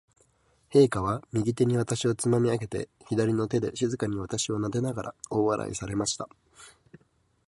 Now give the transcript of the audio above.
陛下は、右手に私をつまみ上げて、左の手で静かに私をなでながら、大笑いされました。